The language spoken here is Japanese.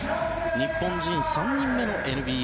日本人３人目のＮＢＡ